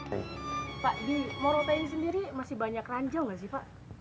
pak di morotai sendiri masih banyak ranjau nggak sih pak